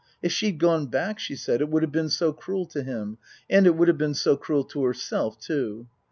If she'd gone back, she said, it would have been so cruel to him. And it would have been so cruel to herself, too.